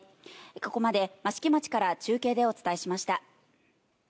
ここまで益城町から中継でお伝えしました。